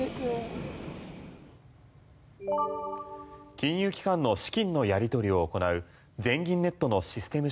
金融機関の資金のやり取りを行う全銀ネットのシステム